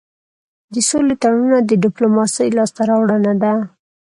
د سولې تړونونه د ډيپلوماسی لاسته راوړنه ده.